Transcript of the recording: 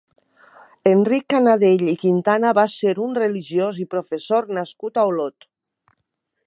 Enric Canadell i Quintana va ser un religiós i professor nascut a Olot.